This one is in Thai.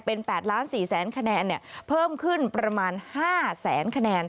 เป็น๘๔๐๐๐๐๐คะแนนเพิ่มขึ้นประมาณ๕๐๐๐๐๐คะแนน